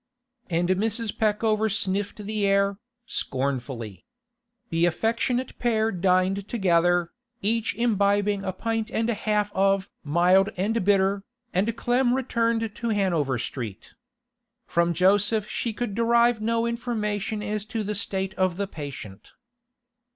And Mrs. Peckover sniffed the air, scornfully. The affectionate pair dined together, each imbibing a pint and a half of 'mild and bitter,' and Clem returned to Hanover Street. From Joseph she could derive no information as to the state of the patient.